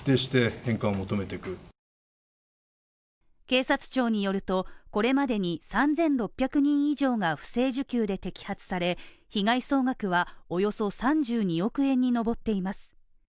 警察庁によると、これまでに３６００人以上が不正受給で摘発され、被害総額はおよそ３２億円に上っています。